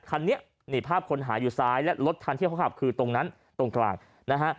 คันนี้นี่ภาพคนหาอยู่ซ้ายและรถคันที่เขาขับคือตรงนั้นตรงกลางนะฮะ